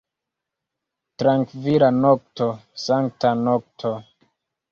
Trankvila nokto, sankta nokto!